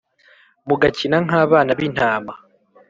Mugakina nk abana b intama